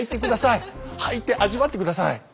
履いて味わって下さい！